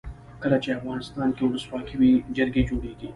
کله چې افغانستان کې ولسواکي وي جرګې جوړیږي.